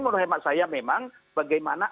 menurut saya memang bagaimana